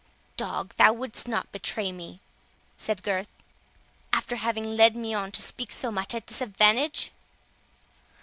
"Dog, thou wouldst not betray me," said Gurth, "after having led me on to speak so much at disadvantage?"